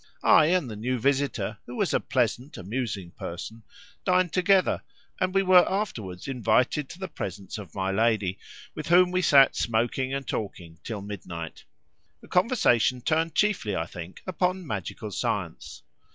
I and the new visitor, who was a pleasant, amusing person, dined together, and we were afterwards invited to the presence of my lady, with whom we sat smoking and talking till midnight. The conversation turned chiefly, I think, upon magical science.